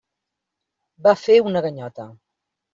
Va fer una ganyota.